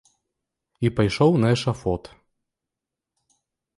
І пайшоў на эшафот.